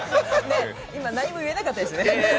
今、何も言えなかったですね。